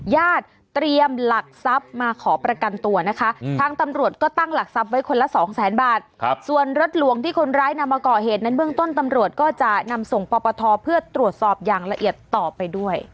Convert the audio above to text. ญาติเตรียมหลักทรัพย์มาขอประกันตัวนะคะทางตำรวจก็ตั้งหลักทรัพย์ไว้คนละสองแสนบาทส่วนรถหลวงที่คนร้ายนำมาก่อเหตุนั้นเบื้องต้นตำรวจก็จะนำส่งปปทเพื่อตรวจสอบอย่างละเอียดต่อไปด้วย